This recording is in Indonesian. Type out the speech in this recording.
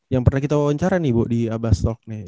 yang pernah kita wawancara nih bu di abastok nih